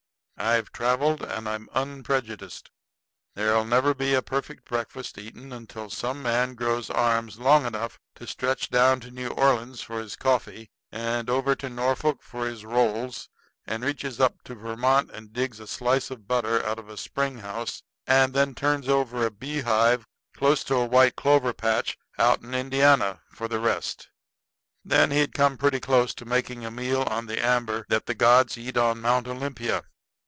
"I've traveled, and I'm unprejudiced. There'll never be a perfect breakfast eaten until some man grows arms long enough to stretch down to New Orleans for his coffee and over to Norfolk for his rolls, and reaches up to Vermont and digs a slice of butter out of a spring house, and then turns over a beehive close to a white clover patch out in Indiana for the rest. Then he'd come pretty close to making a meal on the amber that the gods eat on Mount Olympia."